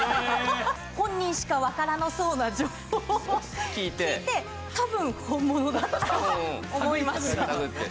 本人しかわからなそうな情報を聞いて、たぶん本物だと思いました。